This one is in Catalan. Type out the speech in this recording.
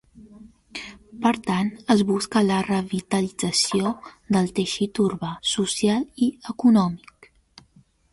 Per tant, es busca la revitalització del teixit urbà, social i econòmic.